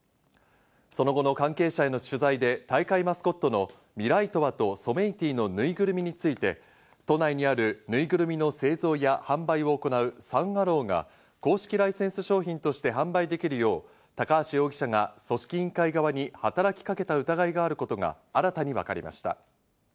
その後の関係者への取材で大会マスコットのミライトワとソメイティのぬいぐるみについて、都内にある、ぬいぐるみの製造や販売を行う、サン・アローが公式ライセンス商品として販売できるよう、高橋容疑者が組織委員会側に働きかけた疑いがあることが新たに分かりました。